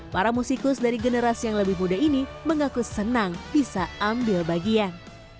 para musikus dari generasi yang lebih muda ini mengaku senang bisa ambil bagian